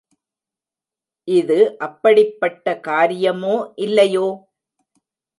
இது அப்படிப்பட்ட காரியமோ இல்லையோ?